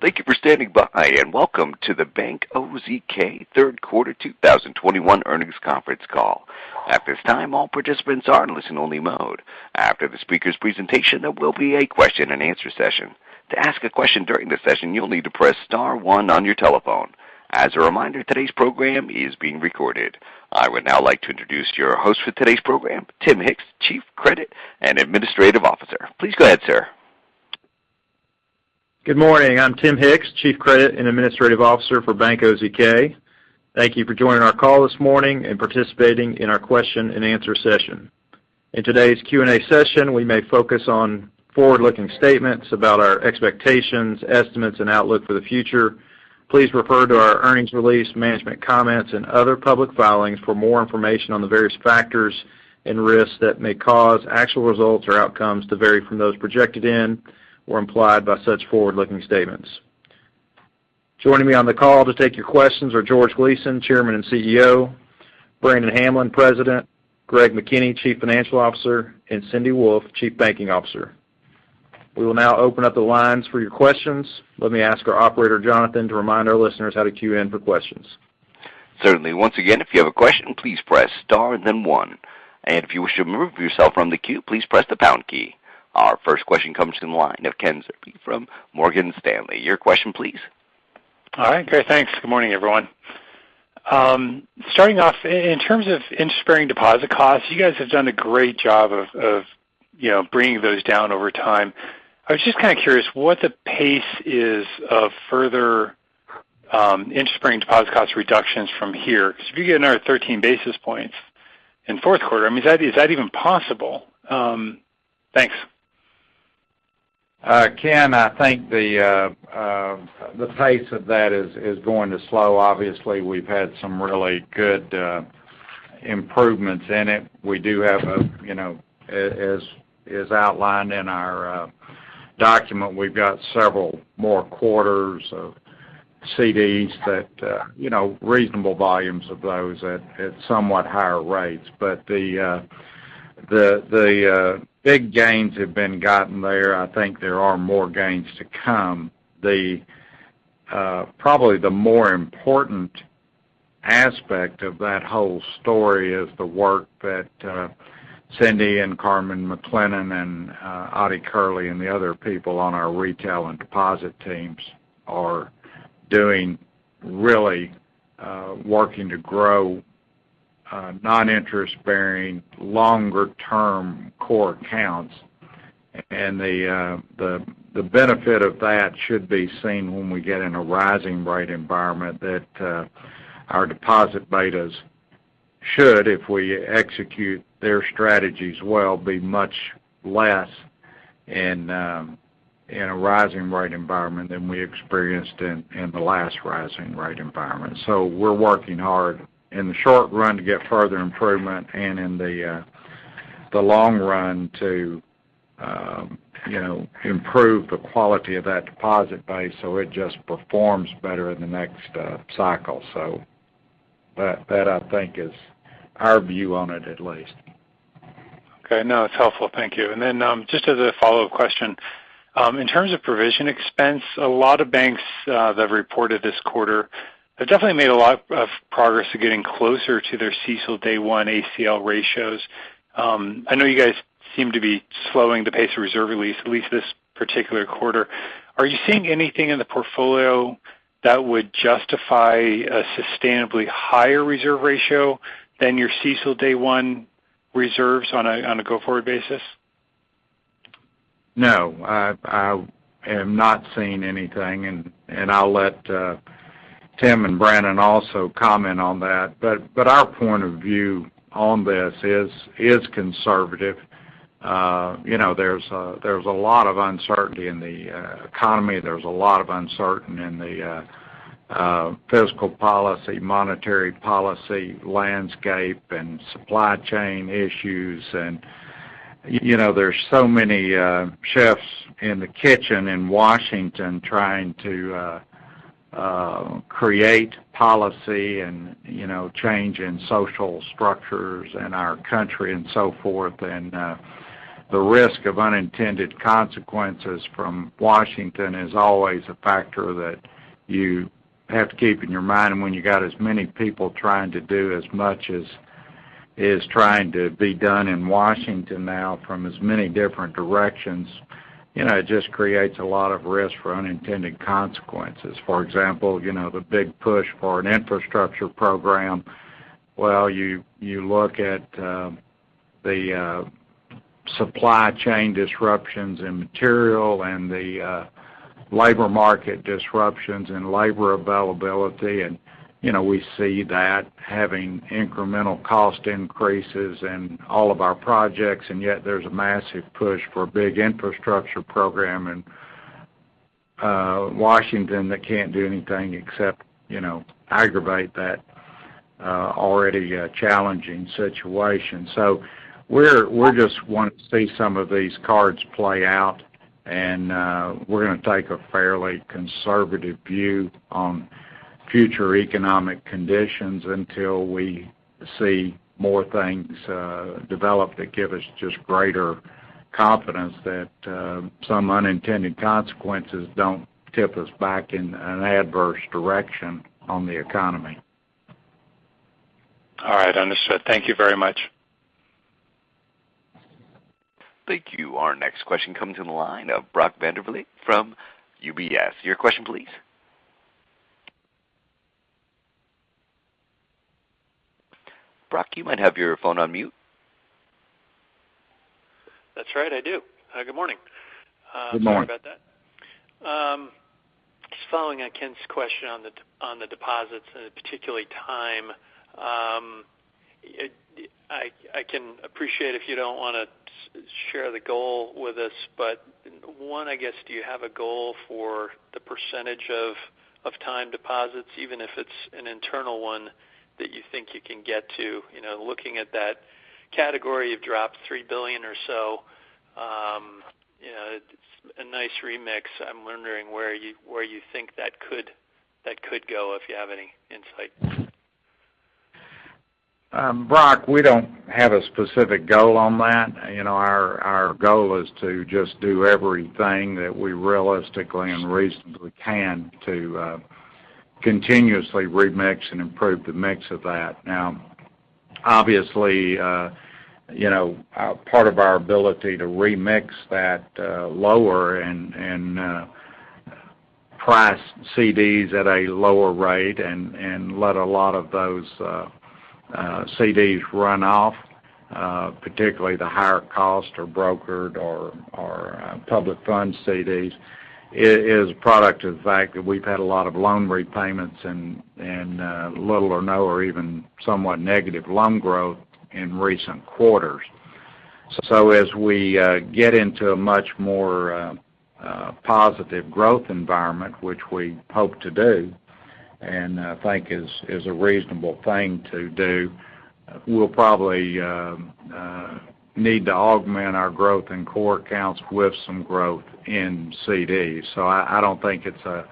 Thank you for standing by, welcome to the Bank OZK Third Quarter 2021 Earnings Conference Call. At this time, all participants are in listen only mode. After the speakers' presentation, there will be a question and answer session. To ask a question during the session, you'll need to press star one on your telephone. As a reminder, today's program is being recorded. I would now like to introduce your host for today's program, Tim Hicks, Chief Credit and Administrative Officer. Please go ahead, sir. Good morning. I'm Tim Hicks, Chief Credit and Administrative Officer for Bank OZK. Thank you for joining our call this morning and participating in our question and answer session. In today's Q&A session, we may focus on forward-looking statements about our expectations, estimates, and outlook for the future. Please refer to our earnings release, management comments, and other public filings for more information on the various factors and risks that may cause actual results or outcomes to vary from those projected in or implied by such forward-looking statements. Joining me on the call to take your questions are George Gleason, Chairman and CEO; Brannon Hamblen, President; Greg McKinney, Chief Financial Officer; and Cindy Wolfe, Chief Banking Officer. We will now open up the lines for your questions. Let me ask our operator, Jonathan, to remind our listeners how to queue in for questions. Certainly. Once again, if you have a question, please press star then one. If you wish to remove yourself from the queue, please press the pound key. Our first question comes from the line of Kenneth Zerbe from Morgan Stanley. Your question, please. All right. Great. Thanks. Good morning, everyone. Starting off, in terms of interest-bearing deposit costs, you guys have done a great job of bringing those down over time. I was just kind of curious what the pace is of further interest-bearing deposit cost reductions from here. If you get another 13 basis points in the fourth quarter, is that even possible? Thanks. Ken, I think the pace of that is going to slow. Obviously, we've had some really good improvements in it. As outlined in our document, we've got several more quarters of CDs, reasonable volumes of those at somewhat higher rates. The big gains have been gotten there. I think there are more gains to come. Probably the more important aspect of that whole story is the work that Cindy and Carmen McClennon and Ottie Kerley and the other people on our retail and deposit teams are doing, really working to grow non-interest-bearing, longer-term core accounts. The benefit of that should be seen when we get in a rising rate environment that our deposit betas should, if we execute their strategies well, be much less in a rising rate environment than we experienced in the last rising rate environment. We're working hard in the short run to get further improvement and in the long run to improve the quality of that deposit base so it just performs better in the next cycle. That, I think is our view on it, at least. Okay. No, it's helpful. Thank you. Just as a follow-up question, in terms of provision expense, a lot of banks that have reported this quarter have definitely made a lot of progress to getting closer to their CECL Day One ACL ratios. I know you guys seem to be slowing the pace of reserve release, at least this particular quarter. Are you seeing anything in the portfolio that would justify a sustainably higher reserve ratio than your CECL Day One reserves on a go-forward basis? No, I am not seeing anything, and I'll let Tim and Brannon also comment on that. Our point of view on this is conservative. There's a lot of uncertainty in the economy. There's a lot of uncertainty in the fiscal policy, monetary policy landscape, and supply chain issues. There's so many chefs in the kitchen in Washington trying to create policy and change in social structures in our country and so forth. The risk of unintended consequences from Washington is always a factor that you have to keep in your mind. When you got as many people trying to do as much as is trying to be done in Washington now from as many different directions, it just creates a lot of risk for unintended consequences. For example, the big push for an infrastructure program. Well, you look at the supply chain disruptions in material and the labor market disruptions and labor availability, and we see that having incremental cost increases in all of our projects, and yet there's a massive push for a big infrastructure program in Washington that can't do anything except aggravate that already challenging situation. We just want to see some of these cards play out, and we're going to take a fairly conservative view on future economic conditions until we see more things develop that give us just greater confidence that some unintended consequences don't tip us back in an adverse direction on the economy. All right. Understood. Thank you very much. Thank you. Our next question comes from the line of Brock Vandervliet from UBS. Your question, please. Brock, you might have your phone on mute. That's right, I do. Good morning. Good morning. Sorry about that. Just following on Ken's question on the deposits, and particularly time. I can appreciate if you don't want to share the goal with us, but one, I guess, do you have a goal for the percentage of time deposits, even if it's an internal one that you think you can get to? Looking at that category, you've dropped $3 billion or so. It's a nice remix. I'm wondering where you think that could go, if you have any insight. Brock, we don't have a specific goal on that. Our goal is to just do everything that we realistically and reasonably can to continuously remix and improve the mix of that. Obviously, part of our ability to remix that lower and price CDs at a lower rate and let a lot of those CDs run off, particularly the higher cost or brokered or public fund CDs, is a product of the fact that we've had a lot of loan repayments and little or no or even somewhat negative loan growth in recent quarters. As we get into a much more positive growth environment, which we hope to do, and I think is a reasonable thing to do, we'll probably need to augment our growth in core accounts with some growth in CDs. I don't think it's a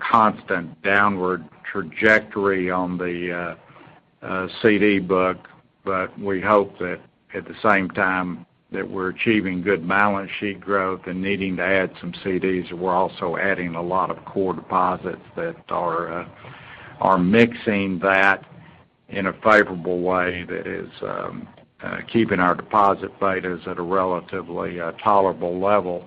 constant downward trajectory on the CD book, but we hope that at the same time that we're achieving good balance sheet growth and needing to add some CDs, we're also adding a lot of core deposits that are mixing that in a favorable way that is keeping our deposit betas at a relatively tolerable level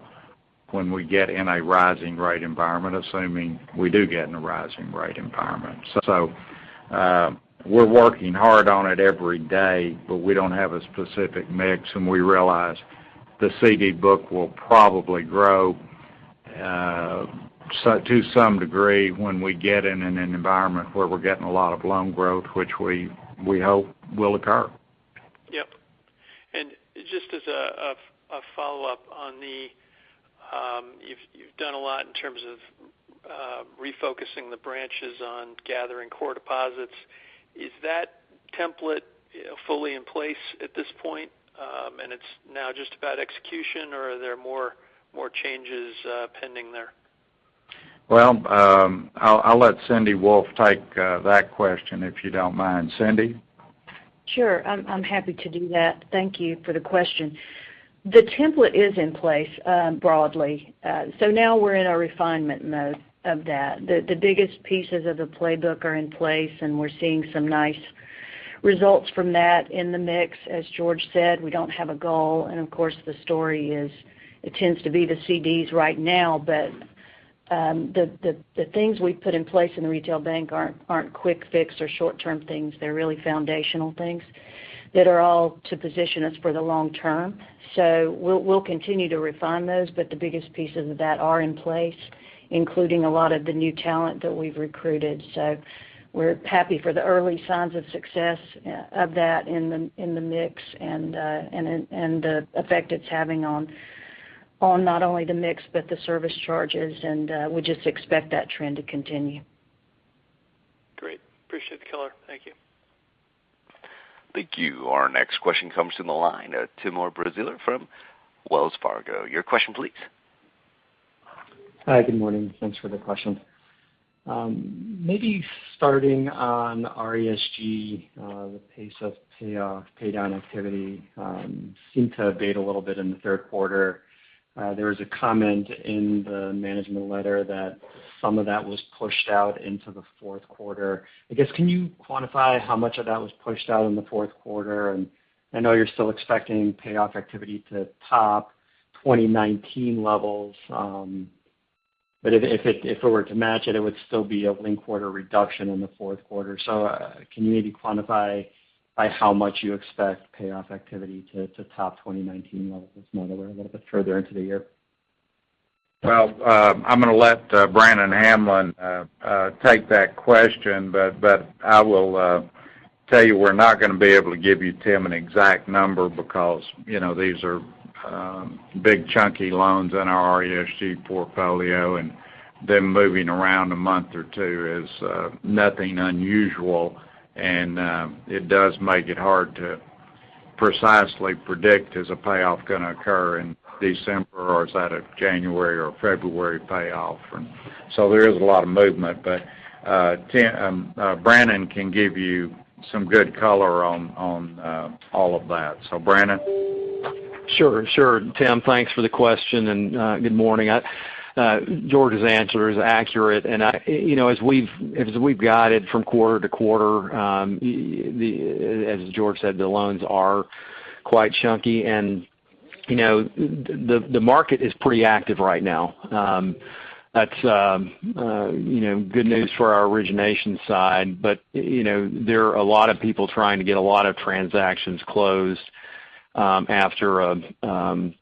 when we get in a rising rate environment, assuming we do get in a rising rate environment. We're working hard on it every day, but we don't have a specific mix, and we realize the CD book will probably grow to some degree when we get in an environment where we're getting a lot of loan growth, which we hope will occur. Yep. Just as a follow-up, you've done a lot in terms of refocusing the branches on gathering core deposits. Is that template fully in place at this point and it's now just about execution, or are there more changes pending there? Well, I'll let Cindy Wolfe take that question, if you don't mind. Cindy? Sure. I'm happy to do that. Thank you for the question. The template is in place broadly. Now we're in a refinement mode of that. The biggest pieces of the playbook are in place, and we're seeing some nice results from that in the mix. As George Gleason said, we don't have a goal, and of course, the story is it tends to be the CDs right now. The things we've put in place in the retail bank aren't quick fix or short-term things. They're really foundational things that are all to position us for the long term. We'll continue to refine those, but the biggest pieces of that are in place, including a lot of the new talent that we've recruited. We're happy for the early signs of success of that in the mix and the effect it's having on not only the mix, but the service charges. We just expect that trend to continue. Great. Appreciate the color. Thank you. Thank you. Our next question comes from the line. Timur Braziler from Wells Fargo. Your question, please. Hi, good morning. Thanks for the question. Maybe starting on RESG, the pace of payoff, pay down activity seemed to abate a little bit in the third quarter. There was a comment in the management letter that some of that was pushed out into the fourth quarter. I guess, can you quantify how much of that was pushed out in the fourth quarter? I know you're still expecting payoff activity to top 2019 levels, but if it were to match it would still be a linked quarter reduction in the fourth quarter. Can you maybe quantify by how much you expect payoff activity to top 2019 levels more than we're a little bit further into the year? Well, I'm going to let Brannon Hamblen take that question, but I will tell you we're not going to be able to give you, Tim, an exact number because these are big chunky loans in our RESG portfolio, and them moving around a month or two is nothing unusual, and it does make it hard to precisely predict is a payoff going to occur in December, or is that a January or February payoff? There is a lot of movement, but Brannon can give you some good color on all of that. Brannon? Sure, Tim, thanks for the question, and good morning. George's answer is accurate, and as we've guided from quarter to quarter, as George said, the loans are quite chunky. The market is pretty active right now. That's good news for our origination side, but there are a lot of people trying to get a lot of transactions closed after, I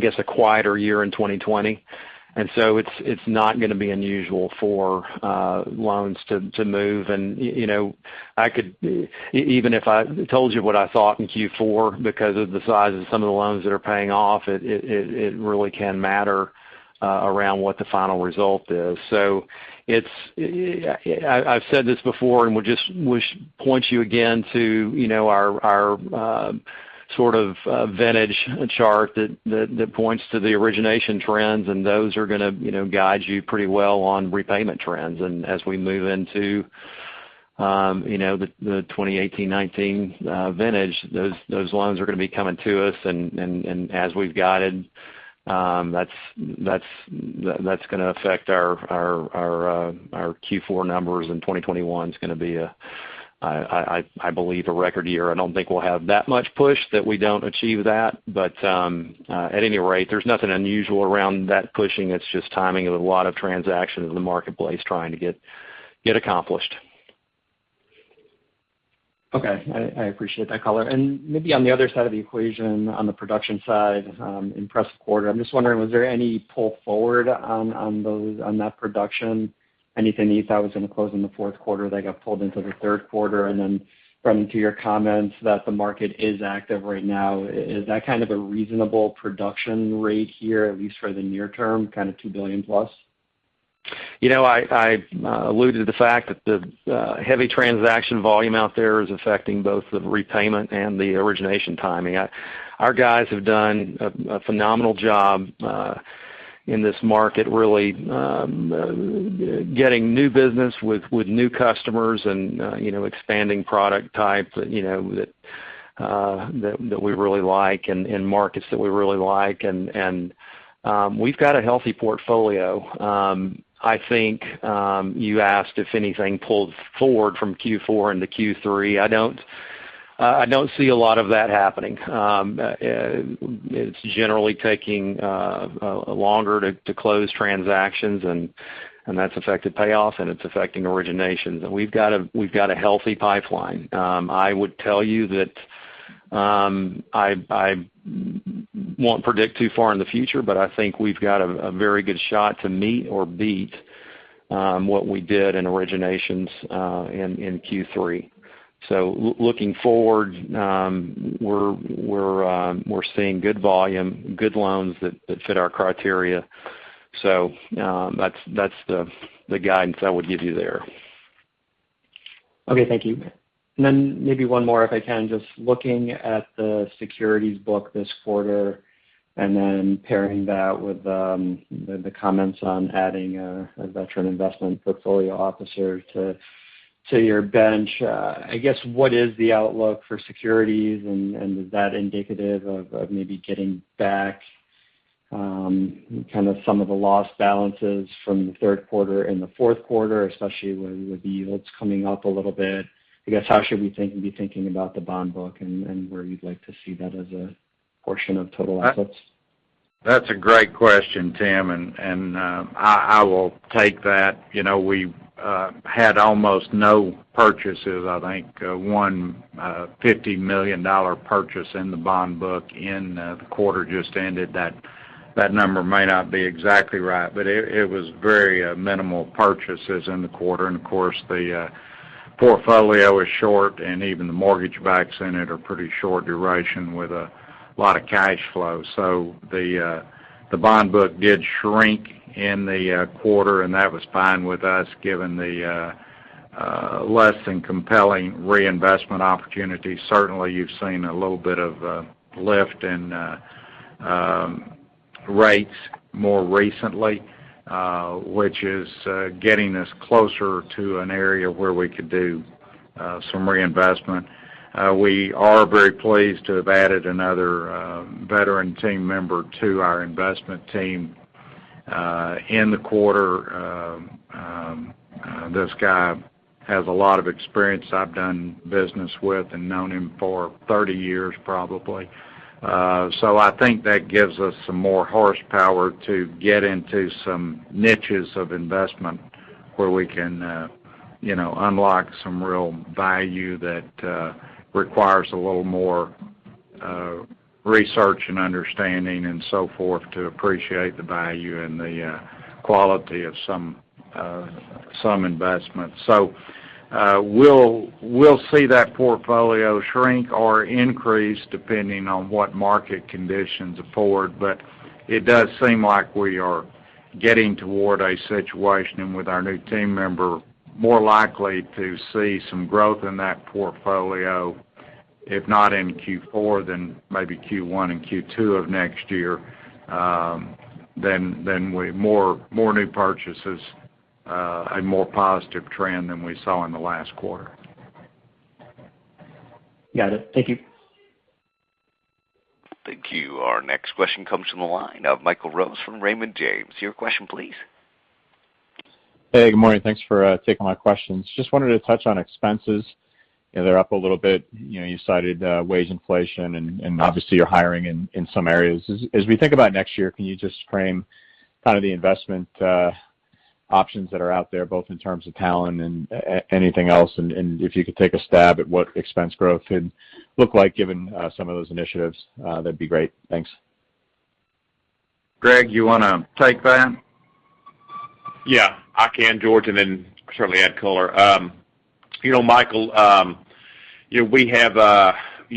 guess, a quieter year in 2020. It's not going to be unusual for loans to move. Even if I told you what I thought in Q4, because of the size of some of the loans that are paying off, it really can matter around what the final result is. I've said this before, and we'll just point you again to our sort of vintage chart that points to the origination trends, and those are going to guide you pretty well on repayment trends. As we move into the 2018-19 vintage, those loans are going to be coming to us, and as we've guided, that's going to affect our Q4 numbers, and 2021's going to be, I believe, a record year. I don't think we'll have that much push that we don't achieve that. At any rate, there's nothing unusual around that pushing. It's just timing of a lot of transactions in the marketplace trying to get accomplished. Okay. I appreciate that color. Maybe on the other side of the equation, on the production side, impressive quarter. I'm just wondering, was there any pull forward on that production? Anything that you thought was going to close in the fourth quarter that got pulled into the third quarter? From your comments that the market is active right now, is that kind of a reasonable production rate here, at least for the near term, kind of $2 billion plus? I alluded to the fact that the heavy transaction volume out there is affecting both the repayment and the origination timing. Our guys have done a phenomenal job in this market, really getting new business with new customers and expanding product types that we really like and markets that we really like. We've got a healthy portfolio. I think you asked if anything pulled forward from Q4 into Q3. I don't see a lot of that happening. It's generally taking longer to close transactions, and that's affected payoffs, and it's affecting originations. We've got a healthy pipeline. I would tell you that I won't predict too far in the future, but I think we've got a very good shot to meet or beat what we did in originations in Q3. Looking forward, we're seeing good volume, good loans that fit our criteria. That's the guidance I would give you there. Okay, thank you. Maybe one more if I can, just looking at the securities book this quarter and then pairing that with the comments on adding a veteran investment portfolio officer to your bench. What is the outlook for securities, and is that indicative of maybe getting back kind of some of the lost balances from the third quarter and the fourth quarter, especially with the yields coming up a little bit? How should we be thinking about the bond book and where you'd like to see that as a portion of total assets? That's a great question, Tim. I will take that. We had almost no purchases. I think one $50 million purchase in the bond book in the quarter just ended. That number may not be exactly right. It was very minimal purchases in the quarter. Of course, the portfolio is short, and even the mortgage backs in it are pretty short duration with a lot of cash flow. The bond book did shrink in the quarter, and that was fine with us given the less than compelling reinvestment opportunity. Certainly, you've seen a little bit of a lift in rates more recently, which is getting us closer to an area where we could do some reinvestment. We are very pleased to have added another veteran team member to our investment team in the quarter. This guy has a lot of experience I've done business with and known him for 30 years probably. I think that gives us some more horsepower to get into some niches of investment where we can unlock some real value that requires a little more research and understanding and so forth to appreciate the value and the quality of some investments. We'll see that portfolio shrink or increase depending on what market conditions afford, but it does seem like we are getting toward a situation with our new team member, more likely to see some growth in that portfolio, if not in Q4, then maybe Q1 and Q2 of next year. More new purchases, a more positive trend than we saw in the last quarter. Got it. Thank you. Thank you. Our next question comes from the line of Michael Rose from Raymond James. Your question, please. Hey, good morning. Thanks for taking my questions. Just wanted to touch on expenses. They're up a little bit. You cited wage inflation and obviously you're hiring in some areas. As we think about next year, can you just frame kind of the investment options that are out there, both in terms of talent and anything else? If you could take a stab at what expense growth could look like given some of those initiatives, that'd be great. Thanks. Greg, you want to take that? I can, George Gleason, and then certainly add color. Michael Rose,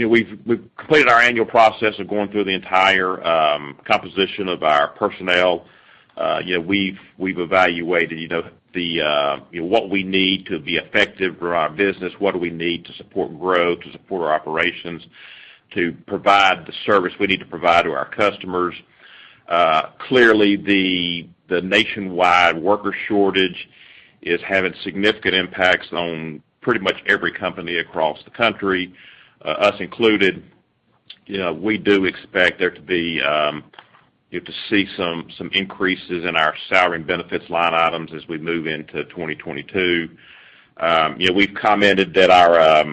we've completed our annual process of going through the entire composition of our personnel. We've evaluated what we need to be effective for our business, what do we need to support growth, to support our operations, to provide the service we need to provide to our customers. Clearly, the nationwide worker shortage is having significant impacts on pretty much every company across the country, us included. We do expect there to see some increases in our salary and benefits line items as we move into 2022. We've commented that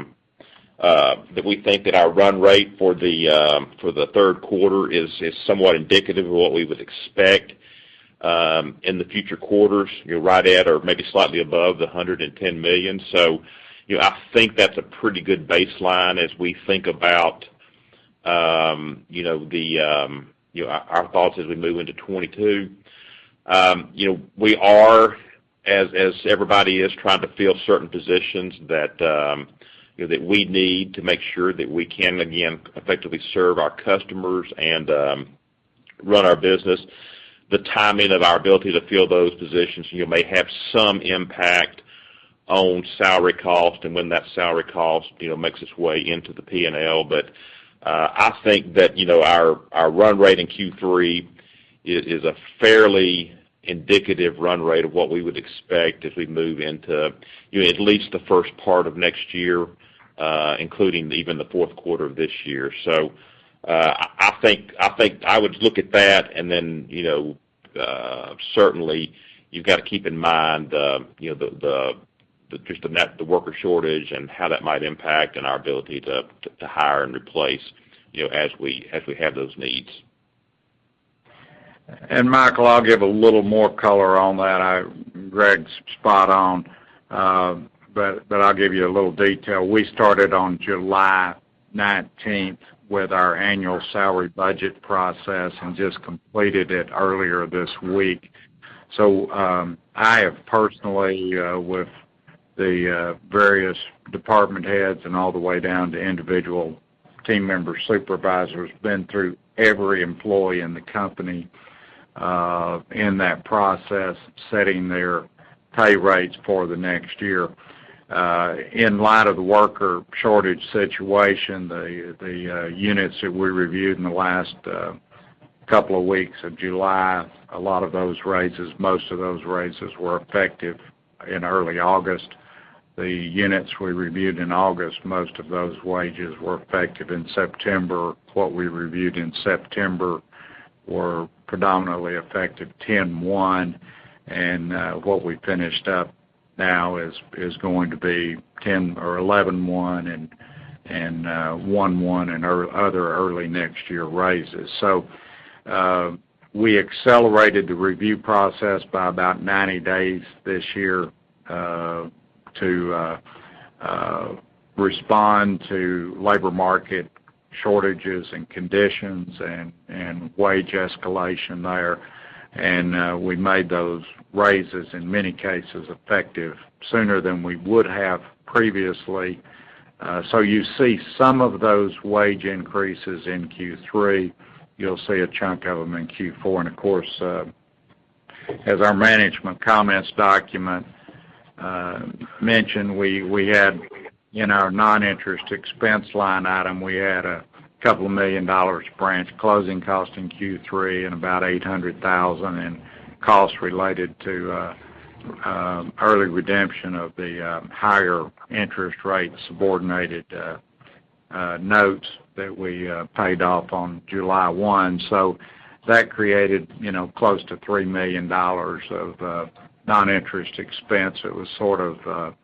we think that our run rate for the third quarter is somewhat indicative of what we would expect in the future quarters, right at or maybe slightly above the $110 million. I think that's a pretty good baseline as we think about our thoughts as we move into 2022. We are, as everybody is, trying to fill certain positions that we need to make sure that we can, again, effectively serve our customers and run our business. The timing of our ability to fill those positions may have some impact on salary cost and when that salary cost makes its way into the P&L. I think that our run rate in Q3 is a fairly indicative run rate of what we would expect as we move into at least the first part of next year, including even the fourth quarter of this year. I think I would look at that, and then certainly you've got to keep in mind just the worker shortage and how that might impact on our ability to hire and replace as we have those needs. Michael, I'll give a little more color on that. Greg's spot on, but I'll give you a little detail. We started on July 19th with our annual salary budget process and just completed it earlier this week. I have personally, with the various department heads and all the way down to individual team member supervisors, been through every employee in the company in that process, setting their pay rates for the next year. In light of the worker shortage situation, the units that we reviewed in the last couple of weeks of July, a lot of those raises, most of those raises were effective in early August. The units we reviewed in August, most of those wages were effective in September. What we reviewed in September were predominantly effective 10/1. What we finished up now is going to be 11/1 and 1/1 in other early next year raises. We accelerated the review process by about 90 days this year to respond to labor market shortages and conditions and wage escalation there. We made those raises, in many cases, effective sooner than we would have previously. You see some of those wage increases in Q3. You'll see a chunk of them in Q4. Of course, as our management comments document mentioned, in our non-interest expense line item, we had couple million dollars branch closing cost in Q3 and about $800,000 in costs related to early redemption of the higher interest rate subordinated notes that we paid off on July 1. That created close to $3 million of non-interest expense. It was sort of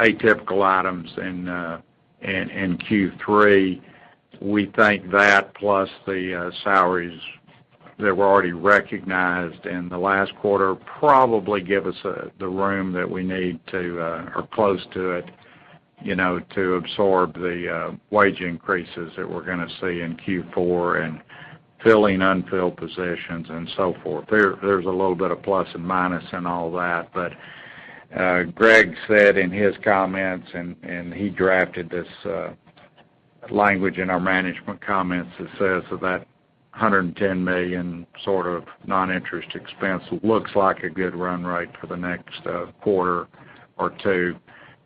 atypical items in Q3. We think that plus the salaries that were already recognized in the last quarter probably give us the room that we need to, or close to it, to absorb the wage increases that we're going to see in Q4 and filling unfilled positions and so forth. There's a little bit of plus and minus in all that. Greg said in his comments, and he drafted this language in our management comments that says that $110 million sort of non-interest expense looks like a good run rate for the next quarter or two.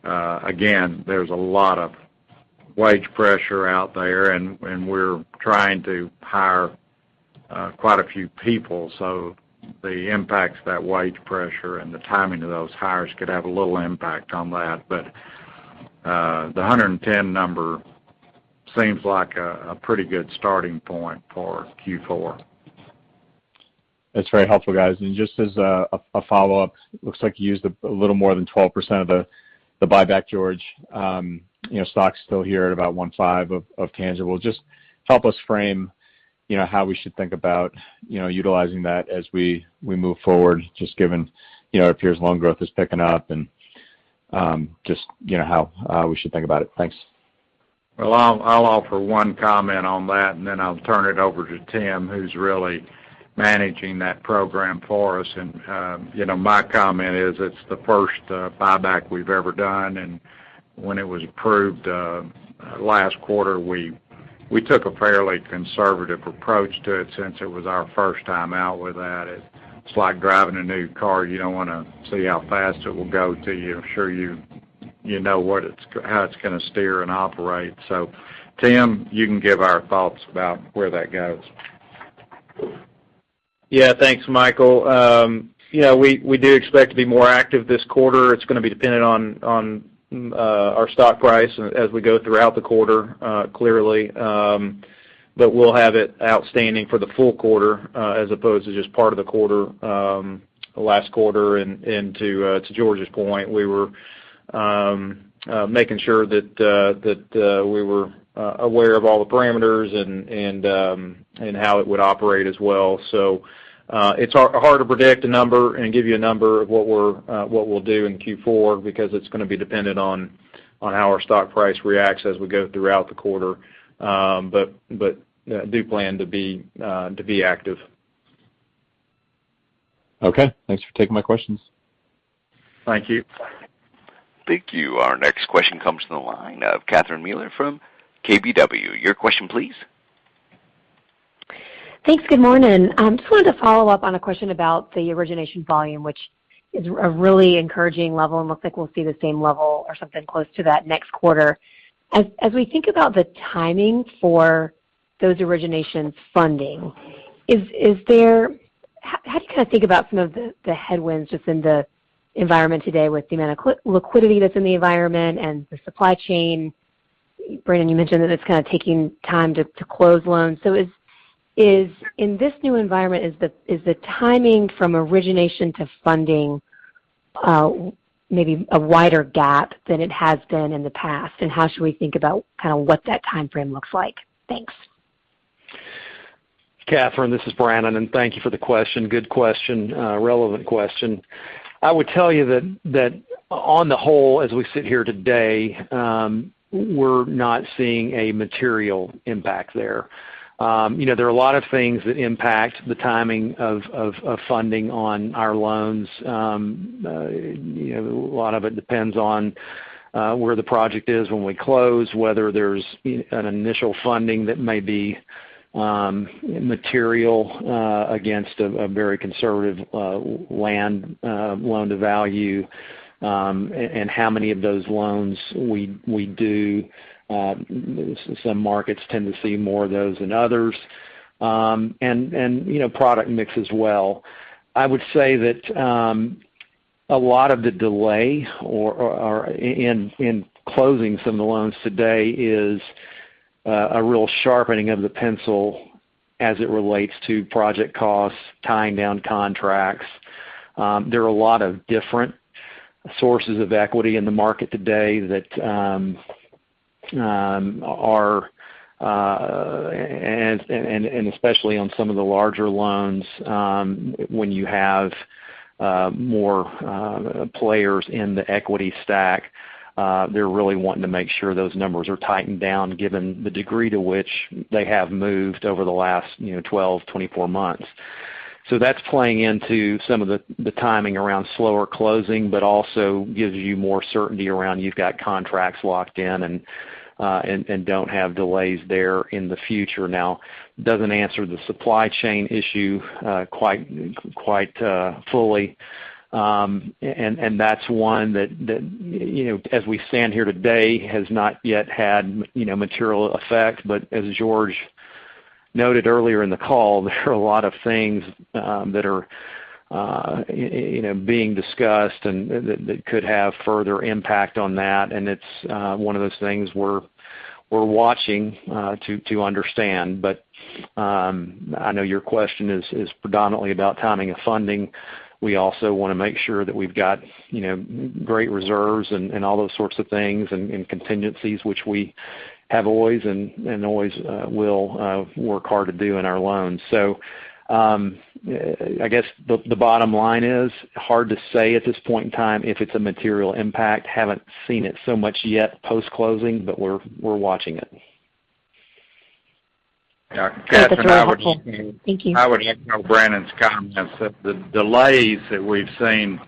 Again, there's a lot of wage pressure out there, and we're trying to hire quite a few people. The impacts of that wage pressure and the timing of those hires could have a little impact on that. The 110 number seems like a pretty good starting point for Q4. That's very helpful, guys. Just as a follow-up, looks like you used a little more than 12% of the buyback, George. Stock's still here at about 1.5 of tangible. Just help us frame how we should think about utilizing that as we move forward, just given it appears loan growth is picking up, and just how we should think about it. Thanks. I'll offer one comment on that, and then I'll turn it over to Tim, who's really managing that program for us. My comment is, it's the first buyback we've ever done, and when it was approved last quarter, we took a fairly conservative approach to it, since it was our first time out with that. It's like driving a new car. You don't want to see how fast it will go till you're sure you know how it's going to steer and operate. Tim, you can give our thoughts about where that goes. Yeah. Thanks, Michael. We do expect to be more active this quarter. It's going to be dependent on our stock price as we go throughout the quarter, clearly. We'll have it outstanding for the full quarter as opposed to just part of the quarter, last quarter. To George's point, we were making sure that we were aware of all the parameters and how it would operate as well. It's hard to predict a number and give you a number of what we'll do in Q4 because it's going to be dependent on how our stock price reacts as we go throughout the quarter. Do plan to be active. Okay. Thanks for taking my questions. Thank you. Thank you. Our next question comes from the line of Catherine Mealor from KBW. Your question please. Thanks. Good morning. Just wanted to follow up on a question about the origination volume, which is a really encouraging level, and looks like we'll see the same level or something close to that next quarter. As we think about the timing for those originations funding, how do you kind of think about some of the headwinds just in the environment today with the amount of liquidity that's in the environment and the supply chain? Brannon, you mentioned that it's kind of taking time to close loans. In this new environment, is the timing from origination to funding maybe a wider gap than it has been in the past? How should we think about kind of what that timeframe looks like? Thanks. Catherine, this is Brannon, thank you for the question. Good question. Relevant question. I would tell you that on the whole, as we sit here today, we're not seeing a material impact there. There are a lot of things that impact the timing of funding on our loans. A lot of it depends on where the project is when we close, whether there's an initial funding that may be material against a very conservative loan-to-value, and how many of those loans we do. Some markets tend to see more of those than others. Product mix as well. I would say that a lot of the delay in closing some of the loans today is a real sharpening of the pencil as it relates to project costs, tying down contracts. There are a lot of different sources of equity in the market today, especially on some of the larger loans, when you have more players in the equity stack, they're really wanting to make sure those numbers are tightened down given the degree to which they have moved over the last 12, 24 months. That's playing into some of the timing around slower closing, but also gives you more certainty around you've got contracts locked in and don't have delays there in the future. Now, it doesn't answer the supply chain issue quite fully, and that's one that, as we stand here today, has not yet had material effect. As George noted earlier in the call, there are a lot of things that are being discussed and that could have further impact on that, and it's one of those things we're watching to understand. I know your question is predominantly about timing of funding. We also want to make sure that we've got great reserves and all those sorts of things, and contingencies, which we have always and always will work hard to do in our loans. I guess the bottom line is, hard to say at this point in time if it's a material impact. Haven't seen it so much yet post-closing, but we're watching it. Yeah. Cathy, Thank you. -echo Brannon's comments that the delays that we've seen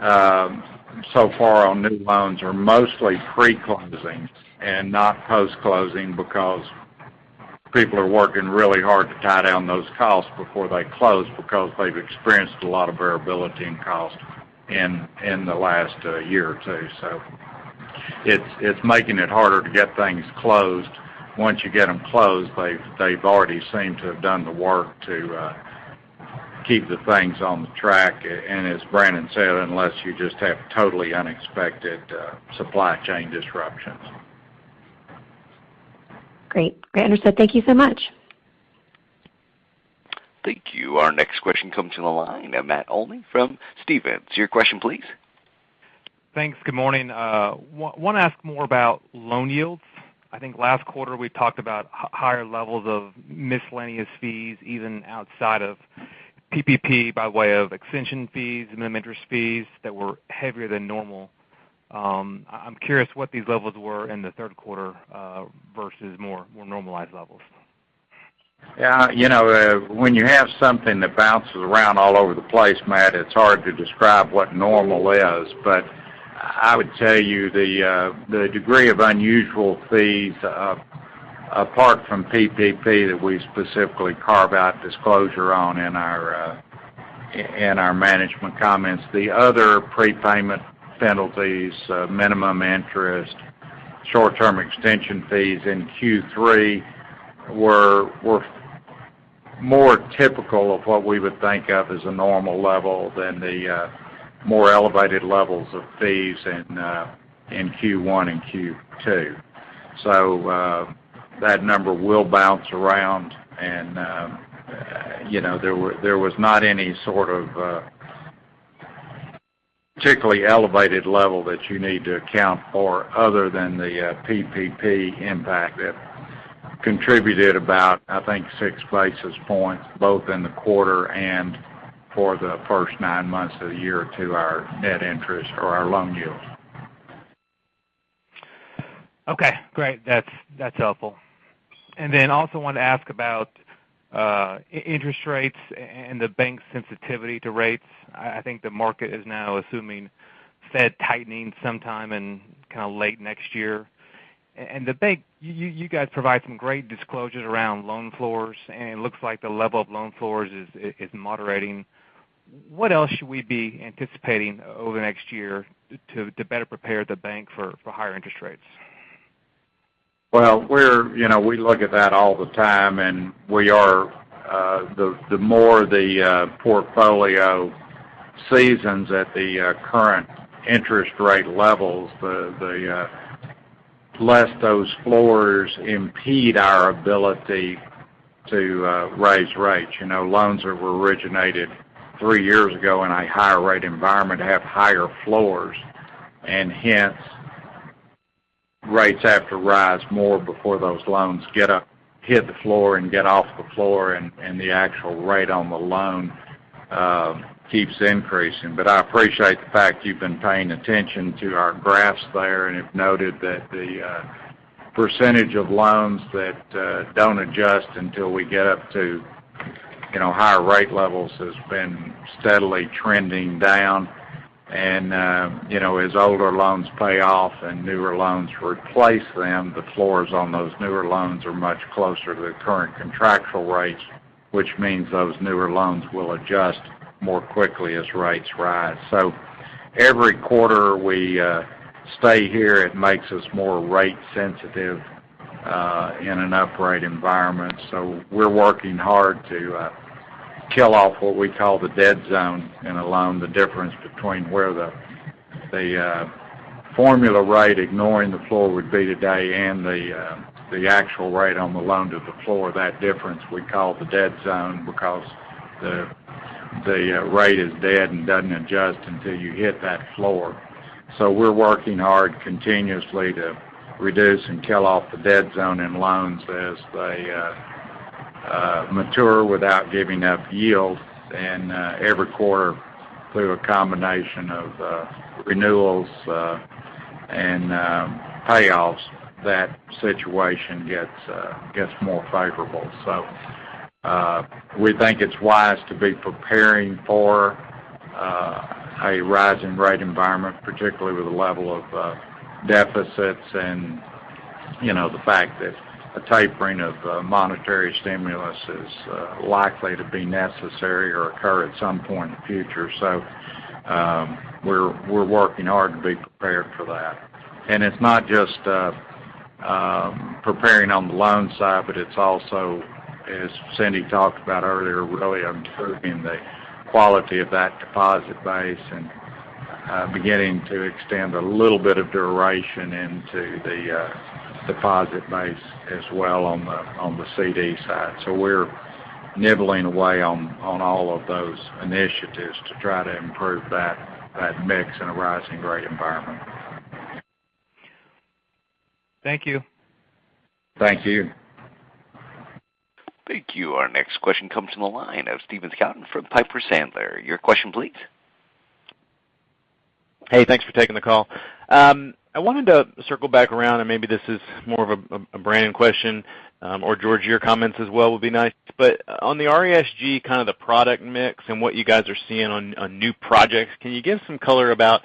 so far on new loans are mostly pre-closing and not post-closing because people are working really hard to tie down those costs before they close because they've experienced a lot of variability in cost in the last year or two years. It's making it harder to get things closed. Once you get them closed, they've already seemed to have done the work to keep the things on track, and as Brannon said, unless you just have totally unexpected supply chain disruptions. Great. Great, understood. Thank you so much. Thank you. Our next question comes from the line of Matt Olney from Stephens. Your question, please. Thanks. Good morning. Want to ask more about loan yields. I think last quarter, we talked about higher levels of miscellaneous fees, even outside of PPP by way of extension fees, minimum interest fees that were heavier than normal. I'm curious what these levels were in the third quarter versus more normalized levels. When you have something that bounces around all over the place, Matt, it's hard to describe what normal is. I would tell you the degree of unusual fees, apart from PPP that we specifically carve out disclosure on in our management comments, the other prepayment penalties, minimum interest, short-term extension fees in Q3 were more typical of what we would think of as a normal level than the more elevated levels of fees in Q1 and Q2. That number will bounce around, and there was not any sort of particularly elevated level that you need to account for other than the PPP impact that contributed about, I think, 6 basis points, both in the quarter and for the first nine months of the year to our net interest or our loan yield. Okay, great. That's helpful. Also wanted to ask about interest rates and the bank's sensitivity to rates. I think the market is now assuming Fed tightening sometime in kind of late next year. The bank, you guys provide some great disclosures around loan floors, and it looks like the level of loan floors is moderating. What else should we be anticipating over the next year to better prepare the bank for higher interest rates? Well, we look at that all the time, and the more the portfolio seasons at the current interest rate levels, the less those floors impede our ability to raise rates. Loans that were originated three years ago in a higher rate environment have higher floors, and hence, rates have to rise more before those loans hit the floor and get off the floor and the actual rate on the loan keeps increasing. I appreciate the fact you've been paying attention to our graphs there and have noted that the percentage of loans that don't adjust until we get up to higher rate levels has been steadily trending down. As older loans pay off and newer loans replace them, the floors on those newer loans are much closer to the current contractual rates, which means those newer loans will adjust more quickly as rates rise. Every quarter we stay here, it makes us more rate sensitive in an uprate environment. We're working hard to kill off what we call the dead zone in a loan. The difference between where the formula rate, ignoring the floor would be today and the actual rate on the loan to the floor, that difference we call the dead zone because the rate is dead and doesn't adjust until you hit that floor. We're working hard continuously to reduce and kill off the dead zone in loans as they mature without giving up yield. Every quarter, through a combination of renewals and payoffs, that situation gets more favorable. We think it's wise to be preparing for a rise in rate environment, particularly with the level of deficits and the fact that a tapering of monetary stimulus is likely to be necessary or occur at some point in the future. We're working hard to be prepared for that. It's not just preparing on the loan side, but it's also, as Cindy talked about earlier, really improving the quality of that deposit base and beginning to extend a little bit of duration into the deposit base as well on the CD side. We're nibbling away on all of those initiatives to try to improve that mix in a rising rate environment. Thank you. Thank you. Thank you. Our next question comes from the line of Stephen Scouten from Piper Sandler. Your question, please. Hey, thanks for taking the call. I wanted to circle back around, and maybe this is more of a Brannon question, or George, your comments as well would be nice. On the RESG, the product mix and what you guys are seeing on new projects, can you give some color about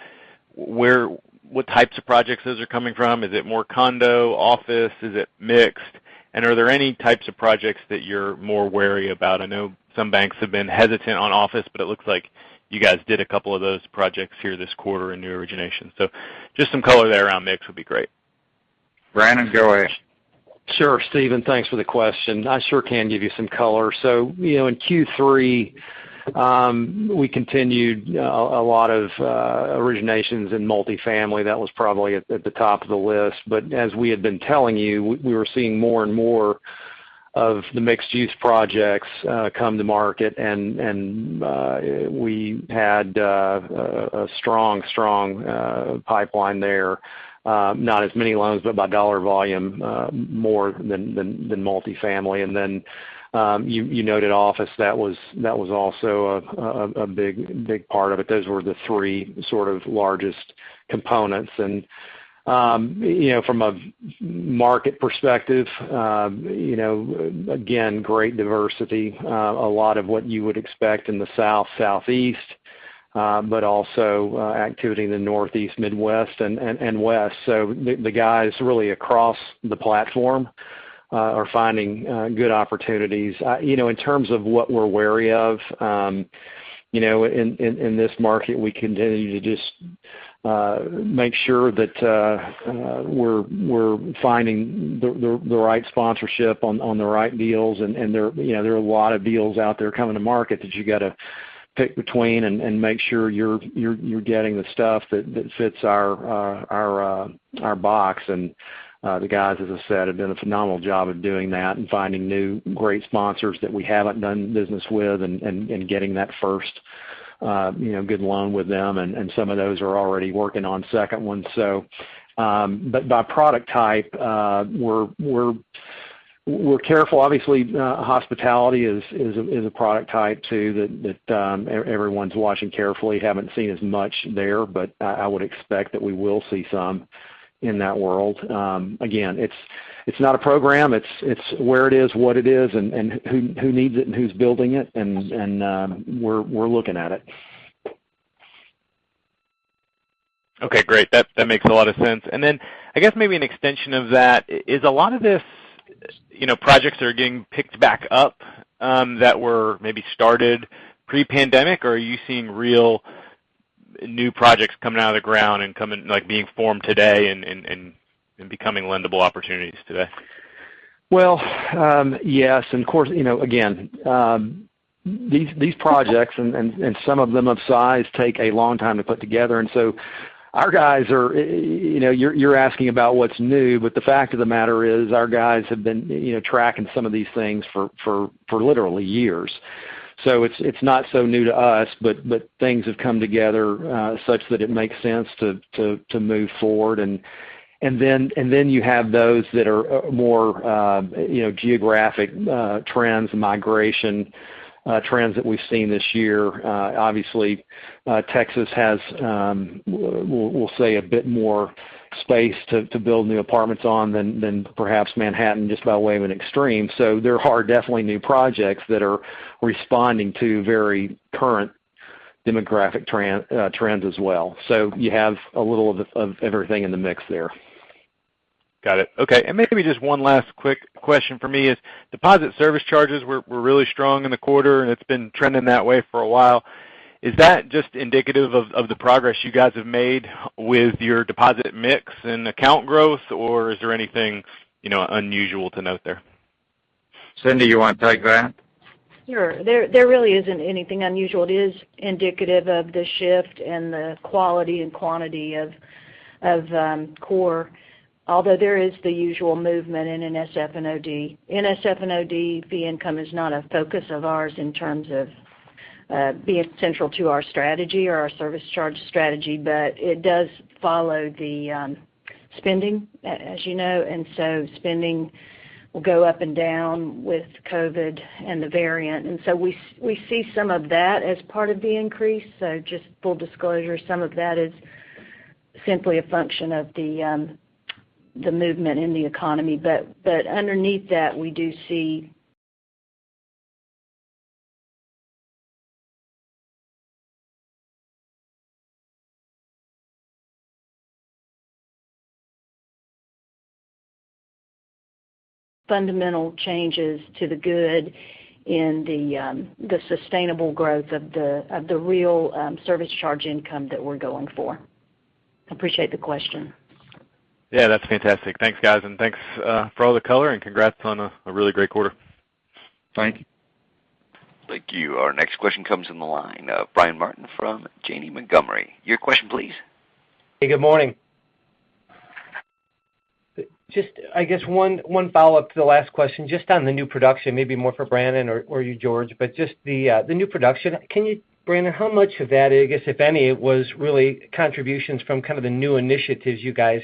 what types of projects those are coming from? Is it more condo, office? Is it mixed? Are there any types of projects that you're more wary about? I know some banks have been hesitant on office, but it looks like you guys did a couple of those projects here this quarter in new origination. Just some color there around mix would be great. Brannon, go ahead. Sure, Stephen. Thanks for the question. I sure can give you some color. In Q3, we continued a lot of originations in multifamily. That was probably at the top of the list. As we had been telling you, we were seeing more and more of the mixed-use projects come to market, and we had a strong pipeline there. Not as many loans, but by dollar volume, more than multifamily. Then you noted office. That was also a big part of it. Those were the three sort of largest components. From a market perspective, again, great diversity. A lot of what you would expect in the South, Southeast, but also activity in the Northeast, Midwest, and West. The guys really across the platform are finding good opportunities. In terms of what we're wary of, in this market, we continue to just make sure that we're finding the right sponsorship on the right deals, and there are a lot of deals out there coming to market that you got to pick between and make sure you're getting the stuff that fits our box. The guys, as I said, have done a phenomenal job of doing that and finding new great sponsors that we haven't done business with and getting that first good loan with them, and some of those are already working on second ones. By product type, we're careful. Obviously, hospitality is a product type, too, that everyone's watching carefully. Haven't seen as much there, but I would expect that we will see some in that world. Again, it's not a program. It's where it is, what it is, and who needs it and who's building it, and we're looking at it. Okay, great. That makes a lot of sense. I guess maybe an extension of that is a lot of this projects that are getting picked back up that were maybe started pre-pandemic, or are you seeing real new projects coming out of the ground and being formed today and becoming lendable opportunities today? Yes, of course, again, these projects, and some of them of size, take a long time to put together. You're asking about what's new, but the fact of the matter is our guys have been tracking some of these things for literally years. It's not so new to us, but things have come together such that it makes sense to move forward. You have those that are more geographic trends, migration trends that we've seen this year. Obviously, Texas has, we'll say, a bit more space to build new apartments on than perhaps Manhattan, just by way of an extreme. There are definitely new projects that are responding to very current demographic trends as well. You have a little of everything in the mix there. Got it. Okay. Maybe just one last quick question for me is deposit service charges were really strong in the quarter, and it's been trending that way for a while. Is that just indicative of the progress you guys have made with your deposit mix and account growth, or is there anything unusual to note there? Cindy, you want to take that? Sure. There really isn't anything unusual. It is indicative of the shift and the quality and quantity of core. Although there is the usual movement in NSF and OD. NSF and OD fee income is not a focus of ours in terms of being central to our strategy or our service charge strategy, but it does follow the spending, as you know. Spending will go up and down with COVID and the variant. We see some of that as part of the increase. Just full disclosure, some of that is simply a function of the movement in the economy. Underneath that, we do see fundamental changes to the good in the sustainable growth of the real service charge income that we're going for. Appreciate the question. Yeah, that's fantastic. Thanks, guys. Thanks for all the color, and congrats on a really great quarter. Thank you. Thank you. Our next question comes on the line. Brian Martin from Janney Montgomery. Your question, please. Hey, good morning. Just I guess one follow-up to the last question, just on the new production, maybe more for Brannon or you, George. Just the new production, can you, Brannon, how much of that, I guess, if any, was really contributions from kind of the new initiatives you guys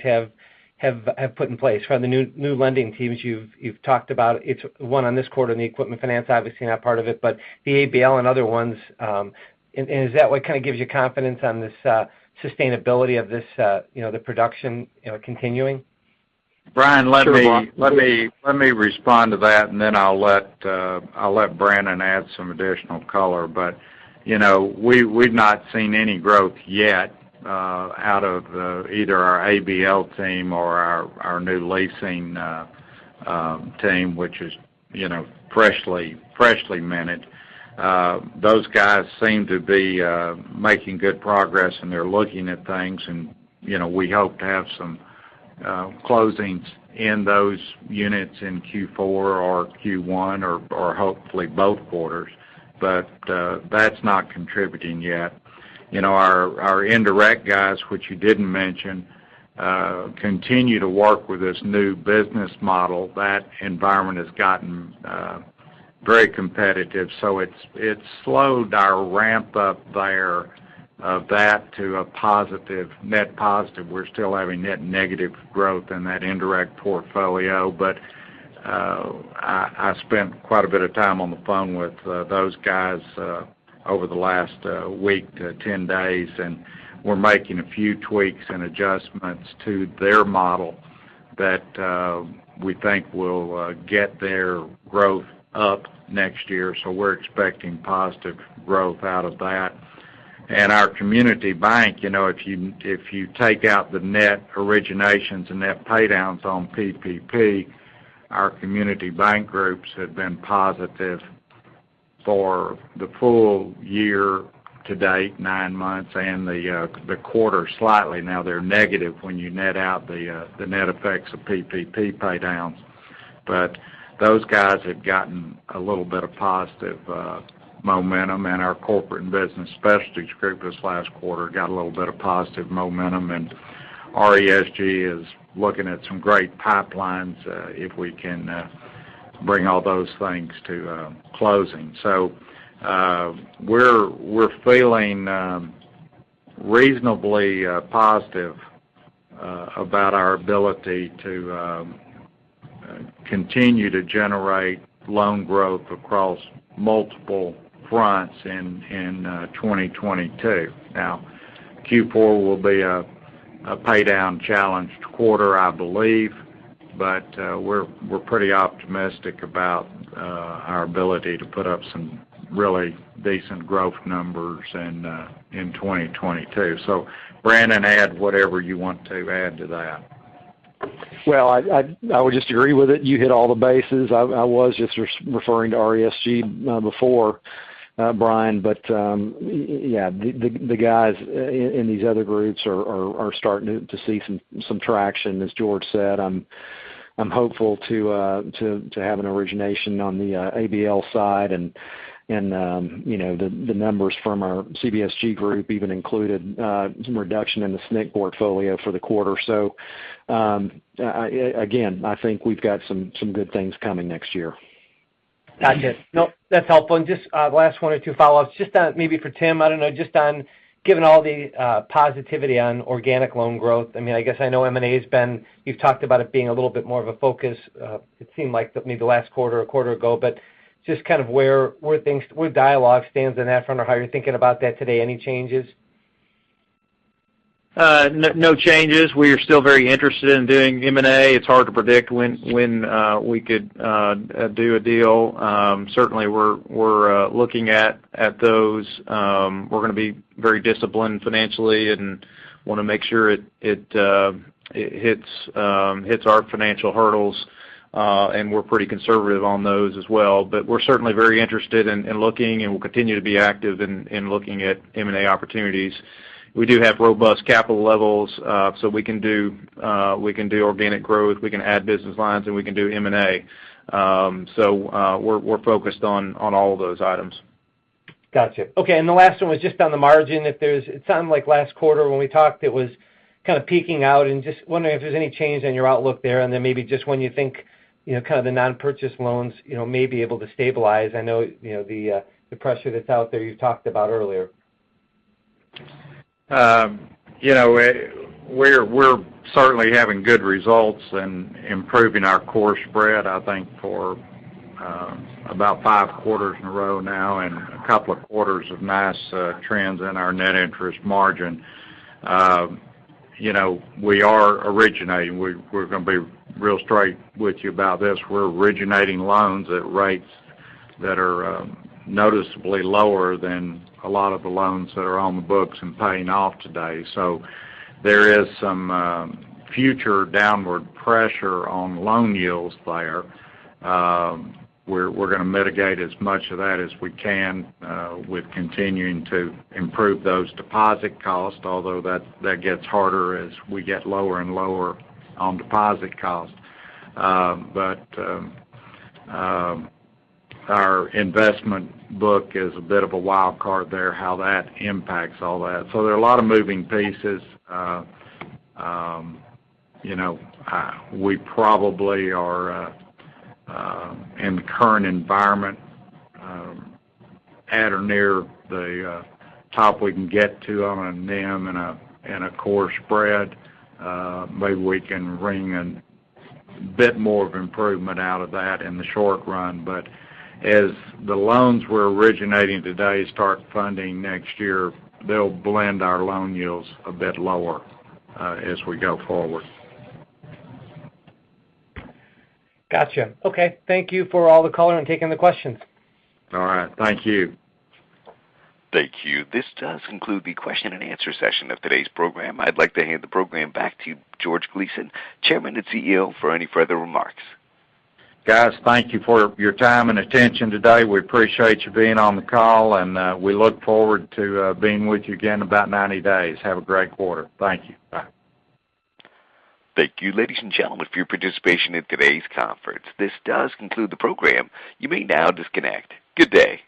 have put in place from the new lending teams you've talked about? It's one on this quarter in the equipment finance, obviously not part of it, but the ABL and other ones. Is that what kind of gives you confidence on this sustainability of the production continuing? Brian, let me respond to that, and then I'll let Brannon add some additional color. We've not seen any growth yet out of either our ABL team or our new leasing team, which is freshly minted. Those guys seem to be making good progress, and they're looking at things, and we hope to have some closings in those units in Q4 or Q1, or hopefully both quarters. That's not contributing yet. Our indirect guys, which you didn't mention, continue to work with this new business model. That environment has gotten very competitive, so it's slowed our ramp-up there of that to a net positive. We're still having net negative growth in that indirect portfolio. I spent quite a bit of time on the phone with those guys over the last week to 10 days, and we're making a few tweaks and adjustments to their model that we think will get their growth up next year. We're expecting positive growth out of that. Our Community Bank, if you take out the net originations and net paydowns on PPP, our Community Bank groups have been positive for the full year to date, nine months, and the quarter slightly. Now, they're negative when you net out the net effects of PPP paydowns. Those guys have gotten a little bit of positive momentum, and our Corporate and Business Specialties Group this last quarter got a little bit of positive momentum, and RESG is looking at some great pipelines if we can bring all those things to closing. We're feeling reasonably positive about our ability to continue to generate loan growth across multiple fronts in 2022. Now, Q4 will be a paydown-challenged quarter, I believe. We're pretty optimistic about our ability to put up some really decent growth numbers in 2022. Brannon Hamblen, add whatever you want to add to that. I would just agree with it. You hit all the bases. I was just referring to RESG before, Brian. Yeah, the guys in these other groups are starting to see some traction. As George said, I'm hopeful to have an origination on the ABL side. The numbers from our CBSG group even included some reduction in the SNC portfolio for the quarter. Again, I think we've got some good things coming next year. Gotcha. No, that's helpful. Just last one or two follow-ups, just on maybe for Tim, I don't know, just on, given all the positivity on organic loan growth. I guess I know M&A, you've talked about it being a little bit more of a focus it seemed like maybe last quarter or quarter ago. Just kind of where dialogue stands on that front, or how you're thinking about that today. Any changes? No changes. We are still very interested in doing M&A. It's hard to predict when we could do a deal. Certainly, we're looking at those. We're going to be very disciplined financially and want to make sure it hits our financial hurdles. We're pretty conservative on those as well. We're certainly very interested in looking, and we'll continue to be active in looking at M&A opportunities. We do have robust capital levels. We can do organic growth, we can add business lines, and we can do M&A. We're focused on all of those items. Gotcha. Okay, the last one was just on the margin. It sounded like last quarter when we talked, it was kind of peaking out, and just wondering if there's any change in your outlook there, and then maybe just when you think kind of the non-purchase loans may be able to stabilize. I know the pressure that's out there you talked about earlier. We're certainly having good results and improving our core spread, I think, for about five quarters in a row now, and a couple quarters of nice trends in our net interest margin. We are originating. We're going to be real straight with you about this. We're originating loans at rates that are noticeably lower than a lot of the loans that are on the books and paying off today. There is some future downward pressure on loan yields there. We're going to mitigate as much of that as we can with continuing to improve those deposit costs, although that gets harder as we get lower and lower on deposit costs. Our investment book is a bit of a wild card there, how that impacts all that. There are a lot of moving pieces. We probably are, in the current environment, at or near the top we can get to on a NIM and a core spread. Maybe we can wring a bit more of improvement out of that in the short run. As the loans we're originating today start funding next year, they'll blend our loan yields a bit lower as we go forward. Gotcha. Okay. Thank you for all the color and taking the questions. All right. Thank you. Thank you. This does conclude the question and answer session of today's program. I'd like to hand the program back to George Gleason, Chairman and CEO, for any further remarks. Guys, thank you for your time and attention today. We appreciate you being on the call, and we look forward to being with you again in about 90 days. Have a great quarter. Thank you. Bye. Thank you, ladies and gentlemen, for your participation in today's conference. This does conclude the program. You may now disconnect. Good day.